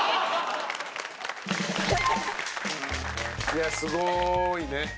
いやすごいね。